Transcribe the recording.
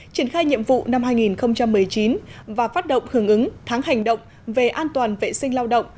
triển khai nhiệm vụ năm hai nghìn một mươi chín và phát động hưởng ứng tháng hành động về an toàn vệ sinh lao động